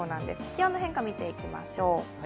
気温の変化を見ていきましょう。